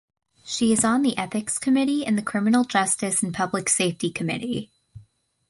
She is on the Ethics committee and the Criminal Justice and Public Safety committee.